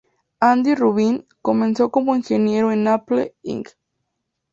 Andy Rubin comenzó como ingeniero en Apple Inc.